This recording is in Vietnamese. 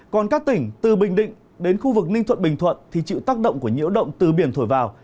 còn các tỉnh từ bình định đến khu vực ninh thuận bình thuận thì chịu tác động của nhiễu động từ biển thổi vào